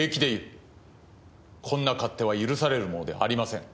こんな勝手は許されるものではありません。